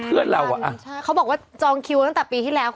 เพื่อนเราอ่ะใช่เขาบอกว่าจองคิวตั้งแต่ปีที่แล้ว